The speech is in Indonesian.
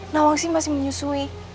nawang sih masih menyusui